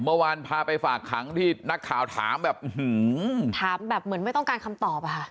เมื่อวานพาไปฝากขังที่นักข่าวถามแบบถามแบบเหมือนไม่ต้องการคำตอบอะค่ะ